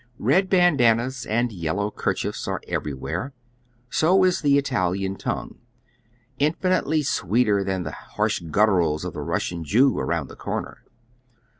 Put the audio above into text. Ked bajidannas and yellow kerchiefs are everywhere ; so is the Italian tongue, infinitely sweeter than the iiai eli gutturals of the Enssian Jew around the corner.